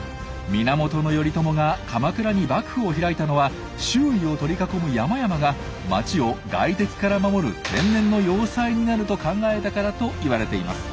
源頼朝が鎌倉に幕府を開いたのは周囲を取り囲む山々が街を外敵から守る天然の要塞になると考えたからといわれています。